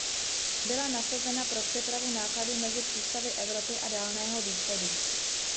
Byla nasazena pro přepravu nákladů mezi přístavy Evropy a Dálného východu.